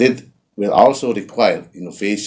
ini juga memerlukan inovasi